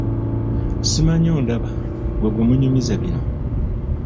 Simanyi ondaba ggwe gwe nnyumiza bino?